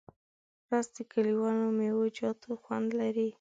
رس د کلیوالو میوهجاتو خوند لري